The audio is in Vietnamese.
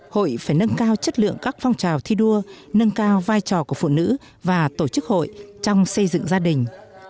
hội phải nâng cao chất lượng các phong trào thi đua nâng cao vai trò của phụ nữ và tổ chức hội trong xây dựng gia đình